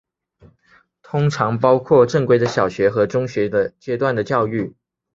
通常包括正规的小学和中学阶段的教育。